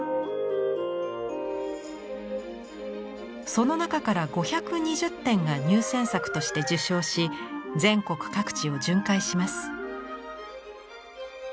その中から５２０点が入選作として受賞し全国各地を巡回します。